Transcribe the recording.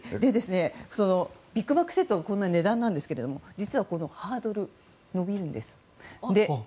ビッグマックセットの値段なんですが実はこのハードル伸びるんです。